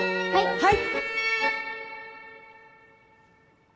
はい！